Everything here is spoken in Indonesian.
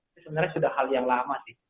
ini sebenarnya sudah hal yang lama sih